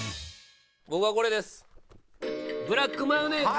僕はこれです。